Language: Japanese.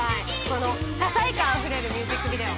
この多彩感あふれるミュージックビデオ。